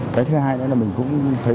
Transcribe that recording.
cái thứ hai nữa là mình cũng thấy